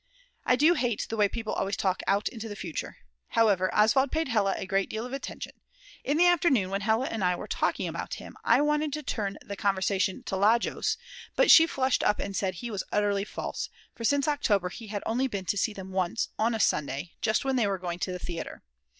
I do hate the way people always talk out into the future. However, Oswald paid Hella a great deal of attention. In the afternoon, when Hella and I were talking about him, I wanted to turn the conversation to Lajos, but she flushed up and said he was utterly false, for since October he had only been to see them once, on a Sunday, just when they were going to the theatre.